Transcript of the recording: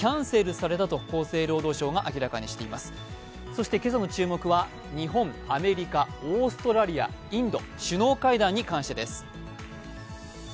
そして今朝の注目は日本、アメリカオーストラリア、インド、首脳会談に関してです。